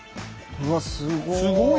うわすごい。